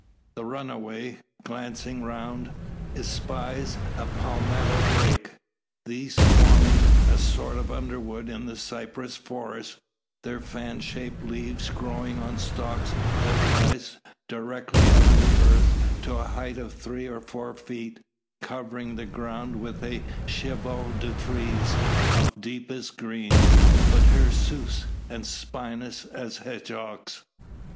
The runaway, glancing around, espies a palmetto brake; these forming a sort of underwood in the cypress forest, their fan shaped leaves growing on stalks that rise directly out of the earth to a height of three or four feet, covering the ground with a chevaux de frise of deepest green, but hirsute and spinous as hedgehogs.